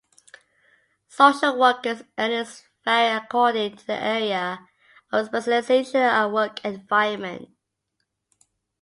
Social workers' earnings vary according to their area of specialization and work environment.